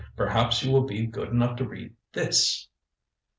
Perhaps you will be good enough to read this.